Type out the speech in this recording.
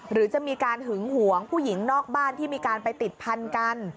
หรือจะมีการหึงหวงผู้หญิงนอกบ้านที่มีการไปติดพันกัน